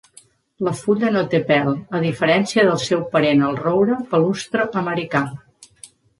La fulla no té pèl, a diferència del seu parent el roure palustre americà.